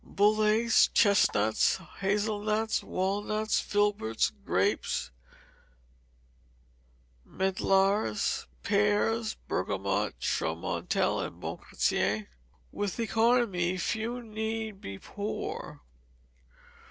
Bullace, chestnuts, hazel nuts, walnuts, filberts, grapes, medlars. Pears: Bergamot, Chaumontel, Bon Chrétien. [WITH ECONOMY, FEW NEED BE POOR.